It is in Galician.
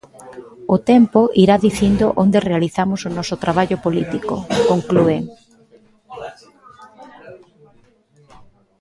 "O tempo irá dicindo onde realizamos o noso traballo político", conclúen.